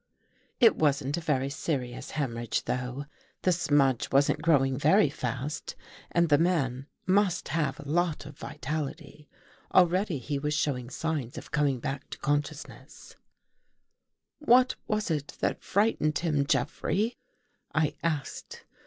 I . It wasn't a very serious hemorrhage, though. The smudge wasn't growing very fast and the man must have a lot of vitality. Already he was show ing signs of coming back to consciousness. 229 THE GHOST GIRL ! "What was it that frightened him, Jeffrey?" I asked.